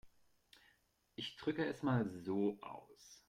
Ich drücke es mal so aus.